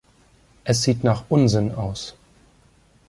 Es sieht nach Unsinn aus.